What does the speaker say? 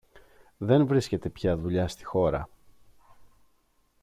Δε βρίσκεται πια δουλειά στη χώρα.